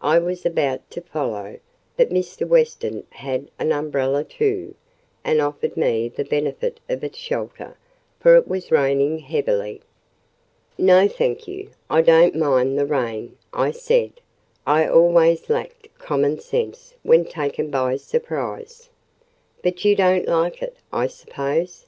I was about to follow; but Mr. Weston had an umbrella too, and offered me the benefit of its shelter, for it was raining heavily. "No, thank you, I don't mind the rain," I said. I always lacked common sense when taken by surprise. "But you don't like it, I suppose?